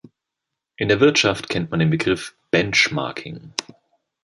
In der Wirtschaft kennt man den Begriff "bench-marking".